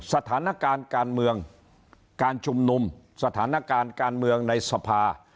สถานการณ์การเมืองการชุมนุมสถานการณ์การเมืองในสภา